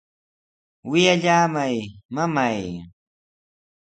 ¡Wiyallamay, mamay!